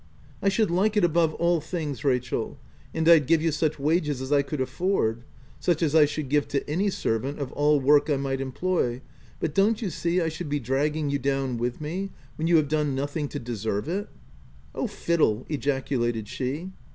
" I should like it above all things, Rachel, and I'd give you such wages as I could afford — such as I should give to any servant of all work I might employ ; but don't you see I should be dragging you down with me, when you have done nothing to deserve it ?" u Oh, fiddle !" ejaculated she.